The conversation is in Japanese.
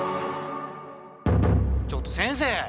ちょっと先生！